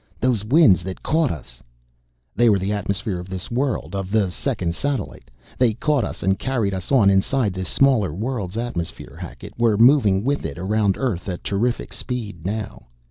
"Those winds that caught us " "They were the atmosphere of this world, of the second satellite! They caught us and carried us on inside this smaller world's atmosphere, Hackett. We're moving with it around Earth at terrific speed now!"